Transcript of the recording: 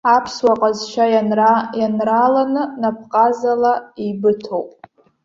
Аԥсуа ҟазшьа ианрааланы напҟазала еибыҭоуп.